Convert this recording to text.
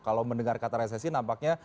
kalau mendengar kata resesi nampaknya